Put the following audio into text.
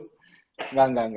enggak enggak enggak